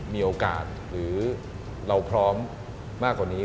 มีโอกาสหรือเราพร้อมมากกว่านี้